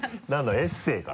エッセーかな？